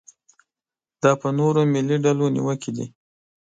دا پر نورو ملي ډلو نیوکې دي.